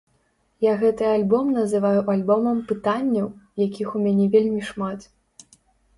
Я гэты альбом называю альбомам пытанняў, якіх у мяне вельмі шмат.